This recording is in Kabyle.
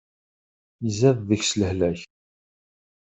Izad deg-s lehlak.